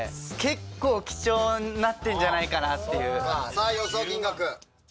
さぁ予想金額。